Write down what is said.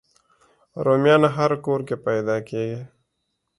رومیان هر کور کې پیدا کېږي